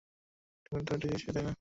তুমি তো এটাই চেয়েছিলে, তাই না?